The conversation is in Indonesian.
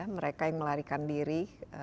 mereka yang melarikan diri